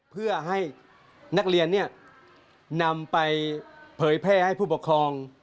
เพื่อให้นักเรียนนำไปเผยแพร่ให้ผู้ปกครอง